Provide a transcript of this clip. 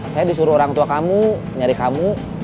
saya disuruh orang tua kamu nyari kamu